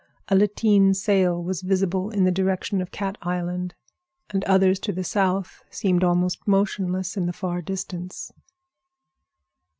A lateen sail was visible in the direction of Cat Island, and others to the south seemed almost motionless in the far distance.